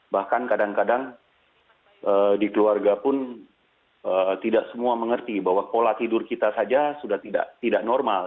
bahkan kadang kadang di keluarga pun tidak semua mengerti bahwa pola tidur kita saja sudah tidak normal